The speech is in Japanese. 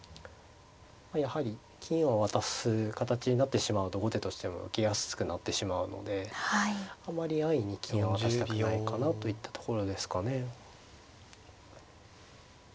やはり金を渡す形になってしまうと後手としては受けやすくなってしまうのであまり安易に金を渡したくないかなといったところですかね。